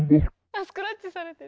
あスクラッチされてる。